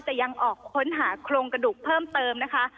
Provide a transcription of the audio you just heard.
ยังออกค้นหาโครงกระดูกเพิ่มเติมนะคะ